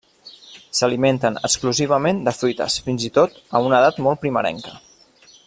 S'alimenten exclusivament de fruites, fins i tot a una edat molt primerenca.